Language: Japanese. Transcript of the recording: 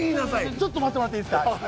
ちょっと待ってもらっていいですか？